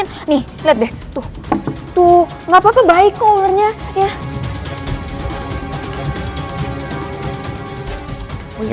nih lihat deh tuh tuh nggak papa baik ulernya ya